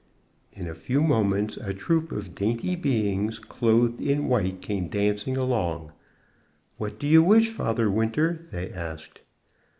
In a few moments a troop of dainty beings clothed in white came dancing along. "What do you wish, Father Winter?" they asked.